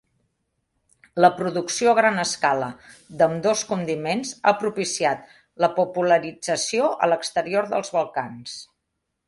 La producció a gran escala d'ambdós condiments ha propiciat la popularització a l'exterior dels Balcans.